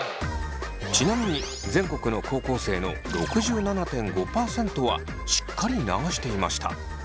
ちなみに全国の高校生の６７．５％はしっかり流していました。